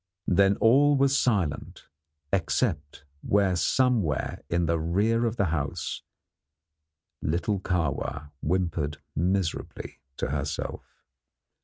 Then all was silent except where somewhere in the rear of the house, little Kahwa whimpered miserably to herself.